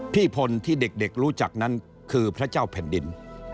พี่พลที่เด็กรู้จักนั้นคือพระเจ้าแผ่นดิน